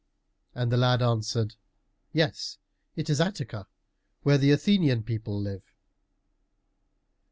And the lad answered, "Yes, that is Attica, where the Athenian people live!"